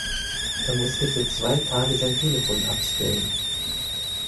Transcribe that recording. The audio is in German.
Er musste für zwei Tage sein Telefon abstellen.